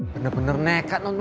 bener bener nekat non melnya